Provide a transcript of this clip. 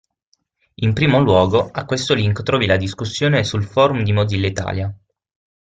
In primo luogo, a questo link trovi la discussione sul forum di Mozilla Italia.